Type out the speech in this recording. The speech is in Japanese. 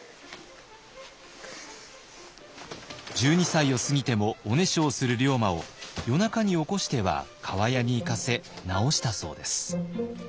１２歳を過ぎてもおねしょをする龍馬を夜中に起こしては厠に行かせ治したそうです。